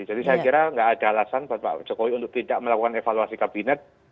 jadi saya kira tidak ada alasan mbak jokowi untuk tidak melakukan evaluasi kabinet